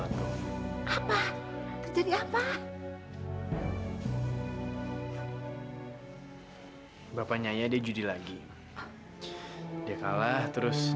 nih dia udah beres